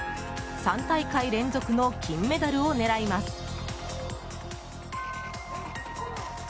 ３大会連続の金メダルを狙います。